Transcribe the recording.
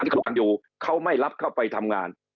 ถูกกันอยู่เขาไม่รับเข้าไปทำงาน